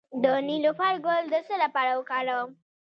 د نیلوفر ګل د څه لپاره وکاروم؟